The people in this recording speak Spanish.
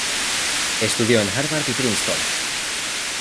Estudió en Harvard y Princeton.